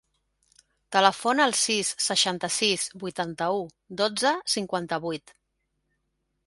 Telefona al sis, seixanta-sis, vuitanta-u, dotze, cinquanta-vuit.